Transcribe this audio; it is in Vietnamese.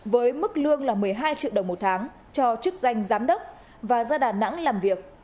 với mức lương là một mươi hai triệu đồng một tháng cho chức danh giám đốc và ra đà nẵng làm việc